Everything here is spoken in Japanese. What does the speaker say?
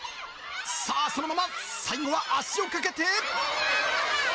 さあそのまま、最後は足をかけて。